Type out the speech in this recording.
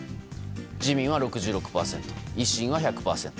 自民は６６％、維新は１００％。